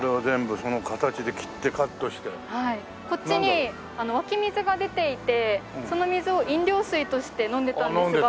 こっちに湧き水が出ていてその水を飲料水として飲んでたんですが。